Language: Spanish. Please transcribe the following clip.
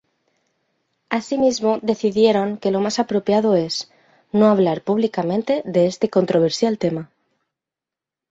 Asimismo decidieron que lo más apropiado es "no hablar públicamente de este controversial tema".